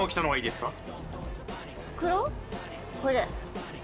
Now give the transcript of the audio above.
これ。